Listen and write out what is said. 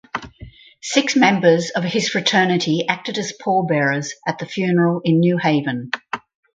Six members of his fraternity acted as pallbearers at the funeral in New Haven.